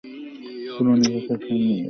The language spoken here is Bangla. কুড়ানি পাখা ফেলিয়া দিয়া চলিয়া গেল।